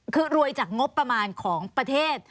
คือรวยจากงบประมาณของประเทศ